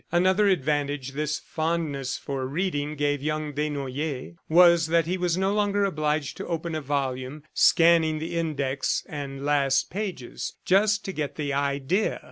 Another advantage this fondness for reading gave young Desnoyers was that he was no longer obliged to open a volume, scanning the index and last pages "just to get the idea."